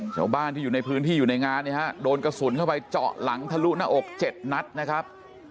ชาวบ้านที่อยู่ในพื้นที่อยู่ในงานเนี่ยฮะโดนกระสุนเข้าไปเจาะหลังทะลุหน้าอก๗นัดนะครับ